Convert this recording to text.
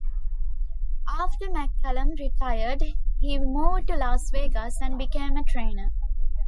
After McCallum retired, he moved to Las Vegas and became a trainer.